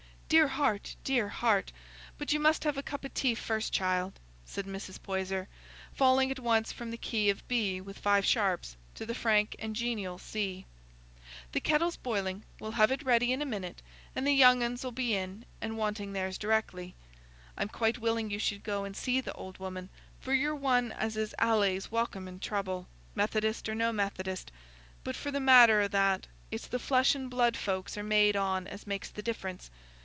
"Dear heart, dear heart! But you must have a cup o' tea first, child," said Mrs. Poyser, falling at once from the key of B with five sharps to the frank and genial C. "The kettle's boiling—we'll have it ready in a minute; and the young uns 'ull be in and wanting theirs directly. I'm quite willing you should go and see th' old woman, for you're one as is allays welcome in trouble, Methodist or no Methodist; but, for the matter o' that, it's the flesh and blood folks are made on as makes the difference.